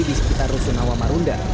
di sekitar rusunawa marunda